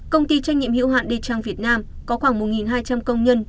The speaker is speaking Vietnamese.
công ty trách nhiệm hiệu hạn đê trang việt nam có khoảng một hai trăm linh công nhân